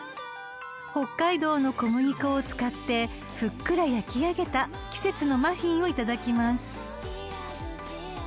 ［北海道の小麦粉を使ってふっくら焼き上げた季節のマフィンをいただきます］